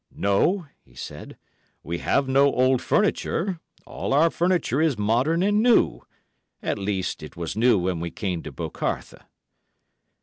"No," he said, "we have no old furniture, all our furniture is modern and new; at least, it was new when we came to 'Bocarthe.